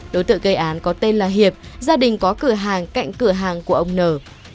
đối tượng gây án có tên là hiệp gia đình có cửa hàng cạnh cửa hàng của ông nở